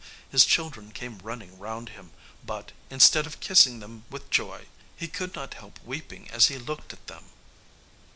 His children came running round him, but, instead of kissing them with joy, he could not help weeping as he looked at them.